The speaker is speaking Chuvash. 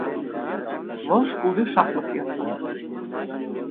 Вӑл «Шкулти шахмат» ятлӑ.